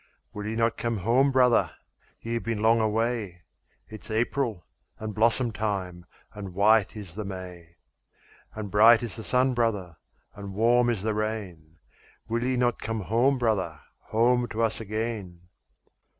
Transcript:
"Will ye not come home brother? ye have been long away, It's April, and blossom time, and white is the may; And bright is the sun brother, and warm is the rain, Will ye not come home, brother, home to us again?